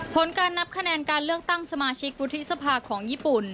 ผลการนับคะแนนการเลือกตั้งสมาชิกวุฒิสภาของญี่ปุ่น